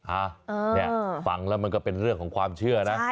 อ่ะเนี่ยฟังแล้วมันก็เป็นเรื่องของความเชื่อนะ